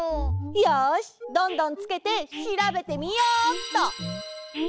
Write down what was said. よしどんどんつけてしらべてみようっと！